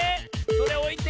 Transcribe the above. それおいて。